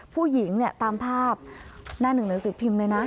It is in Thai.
ผู้หญิงเนี่ยตามภาพหน้าหนึ่งหนังสือพิมพ์เลยนะ